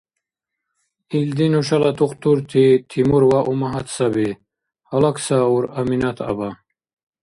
— Илди нушала тухтурти Тимур ва Умагьат саби! — гьалаксаур Аминат-аба.